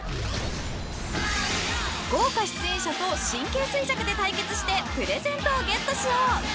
［豪華出演者と神経衰弱で対決してプレゼントをゲットしよう！］